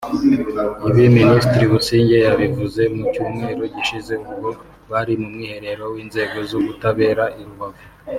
Ibi Minisitiri Busingye yabivuze mu Cyumweru gishize ubwo bari mu mwiherero w’inzego z’ubutabera i Rubavu